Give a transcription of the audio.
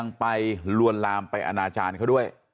ยังไปลวนลามไปอนาจารย์เขาด้วย